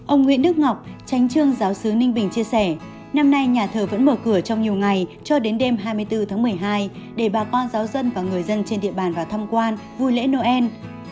ông nguyễn đức ngọc tranh trương giáo sứ ninh bình chia sẻ năm nay nhà thờ vẫn mở cửa trong nhiều ngày cho đến đêm hai mươi bốn tháng một mươi hai để bà con giáo dân và người dân trên địa bàn vào thăm quan vui lễ noel